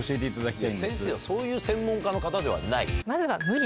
先生はそういう専門家の方ではない。